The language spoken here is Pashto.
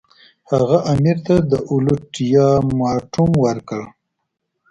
هغه امیر ته اولټیماټوم ورکړ.